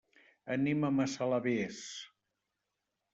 Anem a Massalavés.